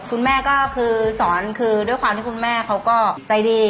คุณแม่ก็คือสอนคือด้วยความที่คุณแม่เขาก็ใจดี